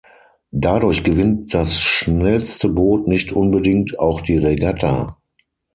Dadurch gewinnt das schnellste Boot nicht unbedingt auch die Regatta.